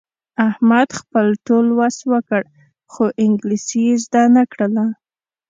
احمد خپل ټول وس وکړ، خو انګلیسي یې زده نه کړله.